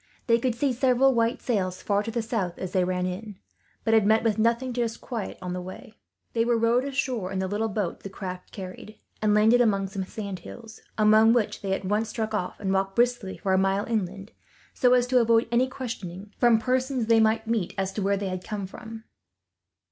They could see several white sails far to the south, as they ran in; but had met with nothing to disquiet them, on the way. They were rowed ashore in the little boat the craft carried, and landed among some sand hills; among which they at once struck off, and walked briskly for a mile inland, so as to avoid any questionings, from persons they might meet, as to where they had come from.